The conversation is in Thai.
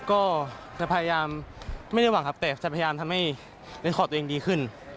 ก็จะพยายามไม่ได้หวังครับแต่จะพยายามทำให้เล่นคอร์ดตัวเองดีขึ้น